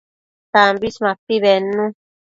Tambis mapi bednu